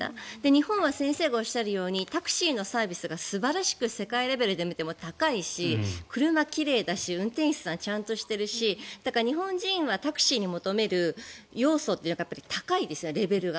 日本は先生がおっしゃるようにタクシーのサービスが素晴らしく世界レベルで見ても高いし車、奇麗だし運転手さんちゃんとしているし日本人はタクシーに求める要素というのが高いですよね、レベルが。